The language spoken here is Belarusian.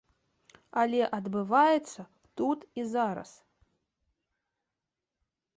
Але адбываецца тут і зараз.